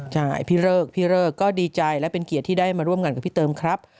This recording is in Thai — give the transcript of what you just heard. ใช่พี่เลิกพี่เลิกก็ดีใจและเป็นเกียรติที่ได้มาร่วมงานกับพี่เติมครับ